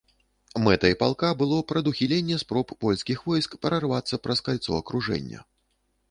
Мэтай палка было прадухіленне спроб польскіх войск прарвацца праз кальцо акружэння.